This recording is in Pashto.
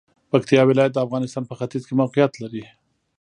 پکتیا ولایت د افغانستان په ختیځ کې موقعیت لري.